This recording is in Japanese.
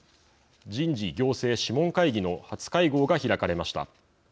人事行政諮問会議の初会合が開かれました。